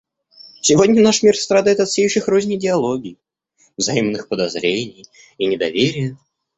Сегодня наш мир страдает от сеющих рознь идеологий, взаимных подозрений и недоверия.